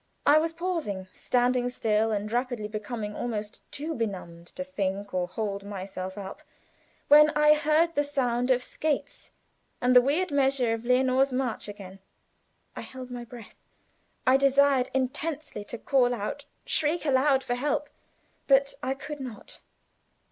I was pausing, standing still, and rapidly becoming almost too benumbed to think or hold myself up, when I heard the sound of skates and the weird measure of the "Lenore March" again. I held my breath; I desired intensely to call out, shriek aloud for help, but I could not.